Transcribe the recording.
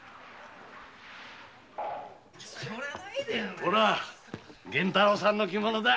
ほら源太郎さんの着物だ。